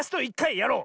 やろう！